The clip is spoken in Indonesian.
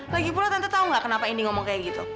lagipula tante tau nggak kenapa indi ngomong kayak gitu